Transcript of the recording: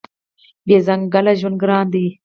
بې ځنګله ژوند ګران دی.